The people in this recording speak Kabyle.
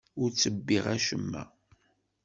Ur ttebbiɣ acemma.